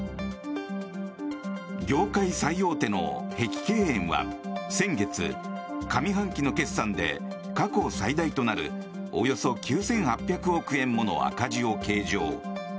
業界最大手の碧桂園は先月、上半期の決算で過去最大となるおよそ９８００億円もの赤字を計上。